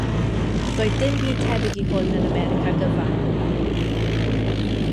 Doedd dim byd tebyg i hwn yn America gyfan.